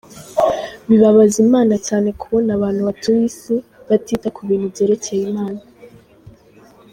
Bibabaza imana cyane kubona abantu batuye isi batita ku bintu byerekeye imana.